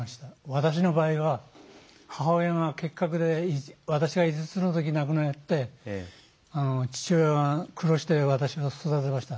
私の場合は母親が結核で私が５つのときに亡くなって父親は苦労して私を育てました。